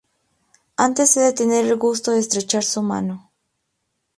Antes he de tener el gusto de estrechar su mano.